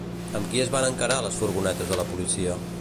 Amb qui es van encarar les furgonetes de la policia?